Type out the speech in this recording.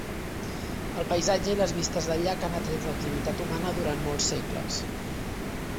El paisatge i les vistes del llac han atret l'activitat humana durant molts segles.